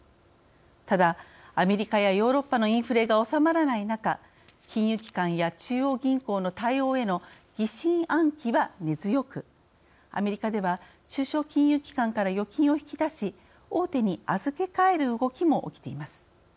ただ、アメリカやヨーロッパのインフレが収まらない中金融機関や、中央銀行の対応への疑心暗鬼は根強くアメリカでは、中小金融機関から預金を引き出し大手に預けかえる動きも起きています。